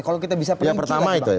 kalau kita bisa penelitian